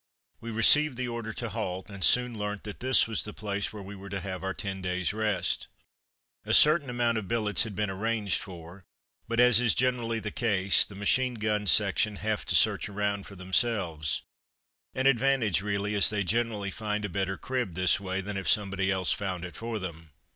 We received the order to halt, and soon learnt that this was the place where we were to have our ten days' rest. A certain amount of billets had been arranged for, but, as is generally the case, the machine gun section have to search around for themselves; an advantage really, as they generally find a better crib this way than if somebody else found it for them.